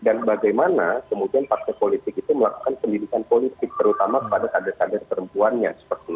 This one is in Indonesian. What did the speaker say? dan bagaimana kemudian paket politik itu melakukan pendidikan politik terutama pada kader kader perempuannya